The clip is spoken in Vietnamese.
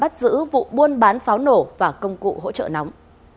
bắt giữ vụ buôn bán pháo nổ và công cụ hỗ trợ nóng